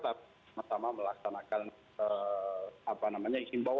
tapi sama sama melaksanakan iklim bawahan